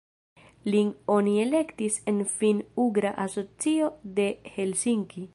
Lin oni elektis en Finn-ugra Asocio de Helsinki.